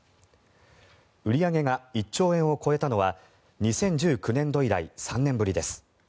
売り上げが１兆円を超えたのは２０１９年度以来３年ぶりです。